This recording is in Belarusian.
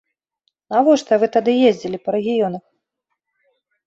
Навошта вы тады ездзілі па рэгіёнах?